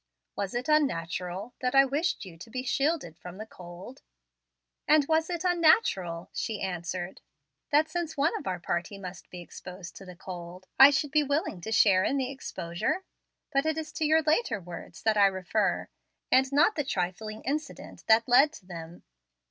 "Was it unnatural that I wished you to be shielded from the cold?" "And was it unnatural," she answered, "that since one of our party must be exposed to the cold, I should be willing to share in the exposure? But it is to your later words that I refer, and not the trifling incident that led to them.